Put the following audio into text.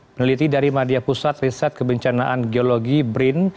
peneliti dari madia pusat riset kebencanaan geologi brin